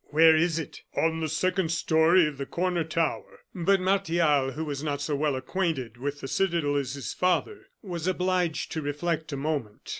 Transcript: "Where is it?" "On the second story of the corner tower." But Martial, who was not so well acquainted with the citadel as his father, was obliged to reflect a moment.